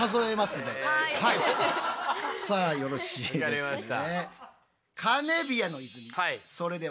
さあよろしいですね？